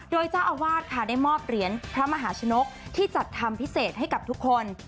โดยเจ้าอาวาสค่ะได้มอบเหรียญพระมหาชนกที่จัดทำพิเศษให้กับทุกคน